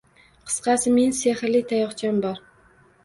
Qisqasi, men sehrli tayoqcham bor.